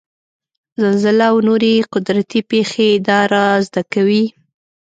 زلزله او نورې قدرتي پېښې دا رازد کوي.